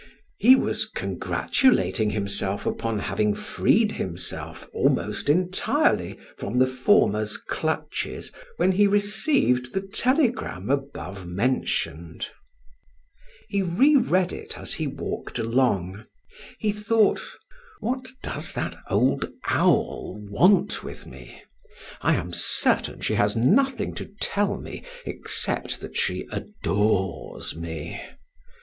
He was congratulating himself upon having freed himself almost entirely from the former's clutches, when he received the telegram above mentioned. He re read it as he walked along. He thought: "What does that old owl want with me? I am certain she has nothing to tell me except that she adores me.